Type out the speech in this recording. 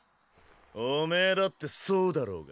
おめぇだってそうだろうが。